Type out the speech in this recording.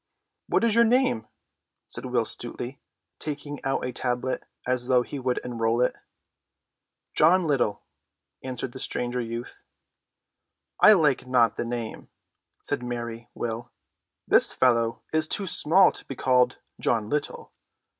"What is your name?" said Will Stutely, taking out a tablet as though he would enroll it. "John Little," answered the stranger youth. "I like not the name," said merry Will. "This fellow is too small to be called John Little.